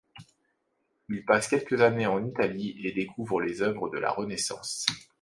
Il passe quelques années en Italie et découvre les œuvres de la renaissance.